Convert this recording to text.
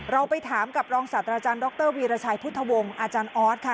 เราไปถามกับรองศาสตราจารย์ดรวีรชัยพุทธวงศ์อาจารย์ออสค่ะ